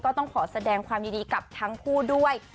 ต้องขอแสดงความยินดีกับทั้งคู่ด้วย